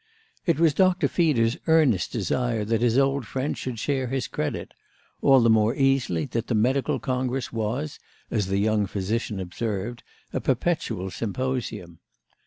It was Dr. Feeder's earnest desire that his old friend should share his credit—all the more easily that the medical congress was, as the young physician observed, a perpetual symposium.